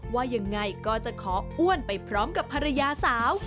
ว่ายังไงก็จะขออ้วนไปพร้อมกับภรรยาสาว